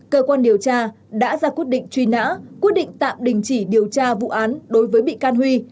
cơ quan điều tra đã ra quyết định truy nã quyết định tạm đình chỉ điều tra vụ án đối với bị can huy